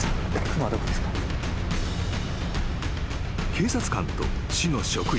［警察官と市の職員］